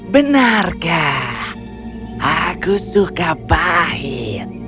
benarkah aku suka pahit